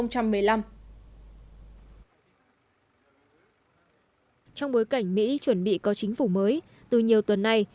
trong bối cảnh mỹ chuẩn bị có chính phủ mới từ nhiều tuần này